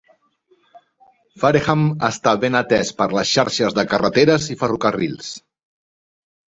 Fareham està ben atès per les xarxes de carreteres i ferrocarrils.